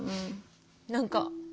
何か。